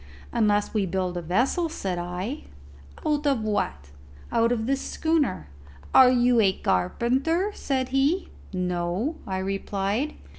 "Unless we build a vessel," said I. "Out of what?" "Out of this schooner." "Are you a carpenter?" said he. "No," I replied.